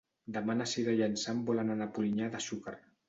Demà na Cira i en Sam volen anar a Polinyà de Xúquer.